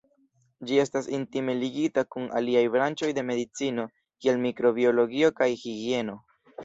Ĝi estas intime ligita kun aliaj branĉoj de medicino, kiel mikrobiologio kaj higieno.